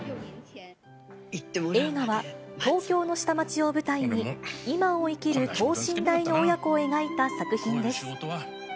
映画は東京の下町を舞台に、今を生きる等身大の親子を描いた作品です。